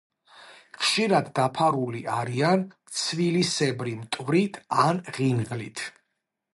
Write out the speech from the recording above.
ხშირად დაფარული არიან ცვილისებრი მტვრით ან ღინღლით.